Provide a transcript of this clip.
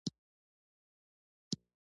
کوچیان د افغانستان په هره برخه کې موندل کېږي.